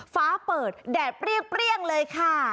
ฟ้าเปิดแดดเปรี้ยงเลยค่ะ